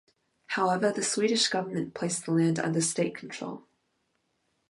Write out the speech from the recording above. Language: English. However, the Swedish government placed the land under state control.